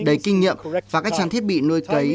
đầy kinh nghiệm và các trang thiết bị nuôi cấy